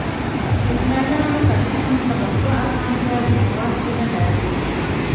اینکایانو که څه هم دغه دوه اسانتیاوې په واک کې نه لرلې.